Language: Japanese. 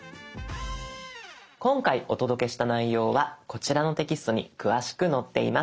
今回お届けした内容はこちらのテキストに詳しく載っています。